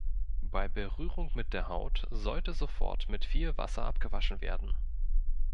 Bei Berührung mit der Haut sollte sofort mit viel Wasser abgewaschen werden.